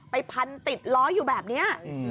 พันติดล้ออยู่แบบนี้